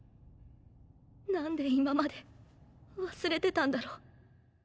何で今まで忘れてたんだろう。